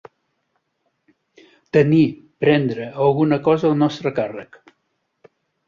Tenir, prendre, alguna cosa al nostre càrrec.